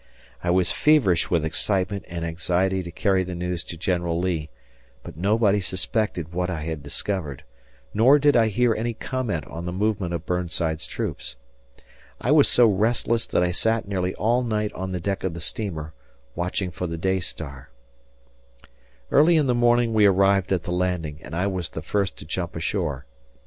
I was feverish with excitement and anxiety to carry the news to General Lee, but nobody suspected what I had discovered, nor did I hear any comment on the movement of Burnside's troops. I was so restless that I sat nearly all night on the deck of the steamer, watching for the day star. Early in the morning we arrived at the landing, and I was the first to jump ashore.